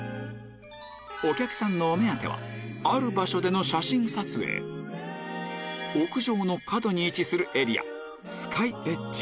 お客さんのお目当ては屋上の角に位置するエリア